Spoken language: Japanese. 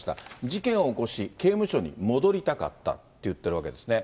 事件を起こし、刑務所に戻りたかったって言ってるわけですね。